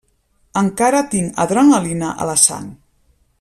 Encara tinc adrenalina a la sang.